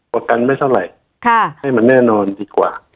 ประกันไม่เท่าไหร่ให้มันแน่นอนดีกว่า